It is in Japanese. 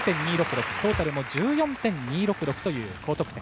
トータルも１４．２６６という高得点。